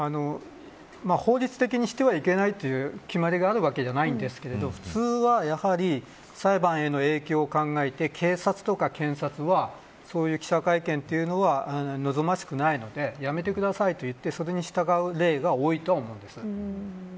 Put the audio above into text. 法律的にしてはいけないという決まりがあるわけじゃないんですが普通はやはり裁判への影響を考えて警察とか検察はそういう記者会見というのは望ましくないのでやめてくださいと言ってそれに従う例が多いと思うんです。